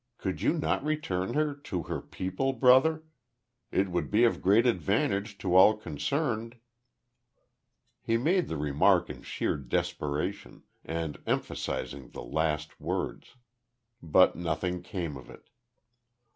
Could you not return her to her people, brother? It would be of great advantage to all concerned?" He made the remark in sheer desperation, and emphasising the last words. But nothing came of it.